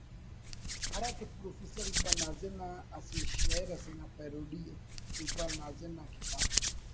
ہرا کہ پروفیسر اقبال ناظر نا اسہ شئیر اسینا پیروڈی ءِ اقبال ناظر نا کتاب